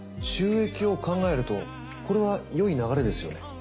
収益を考えるとこれはよい流れですよね。